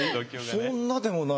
そんなでもない。